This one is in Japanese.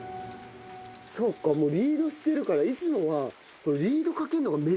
そうかもうリードしてるからいつもは。